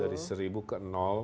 dari seribu ke